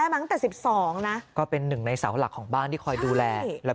มาตั้งแต่๑๒นะก็เป็นหนึ่งในเสาหลักของบ้านที่คอยดูแลแล้ว